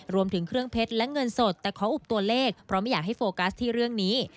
รวมถึงเครื่องเพชรและเงินสดแต่ขออุบตัวเลขเพราะไม่อยากให้โฟกัสที่เรื่องนี้